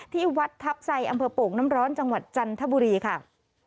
ที่วัดทัพไซอำเภอโป่งน้ำร้อนจังหวัดจันทบุรีค่ะ